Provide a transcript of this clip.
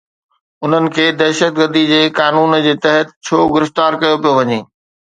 انهن کي دهشتگردي جي قانون تحت ڇو گرفتار ڪيو پيو وڃي؟